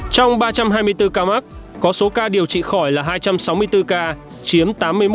trong ba trăm hai mươi bốn ca mắc có số ca điều trị khỏi là hai trăm sáu mươi bốn ca chiếm tám mươi một